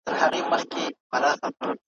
پرون تېر سو هغه پرېږده لکه مړی داسي تللی ,